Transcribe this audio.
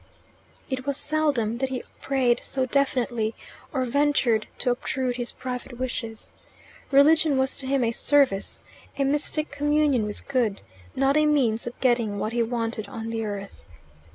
It was seldom that he prayed so definitely, or ventured to obtrude his private wishes. Religion was to him a service, a mystic communion with good; not a means of getting what he wanted on the earth.